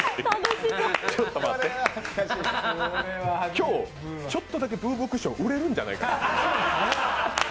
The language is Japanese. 今日、ちょっとだけブーブークッション、売れるんじゃないかな？